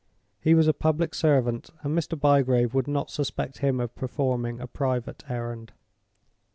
He was a public servant, and Mr. Bygrave would not suspect him of performing a private errand.